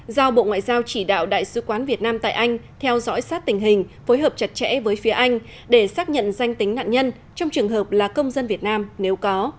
giao bộ ngoại giao chỉ đạo đại sứ quán việt nam tại anh theo dõi sát tình hình phối hợp chặt chẽ với phía anh để xác nhận danh tính nạn nhân trong trường hợp là công dân việt nam nếu có